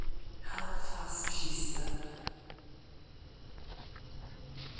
—how fast she slept.